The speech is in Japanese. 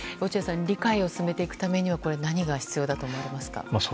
理解を進めていくためには何が必要だと思われますか。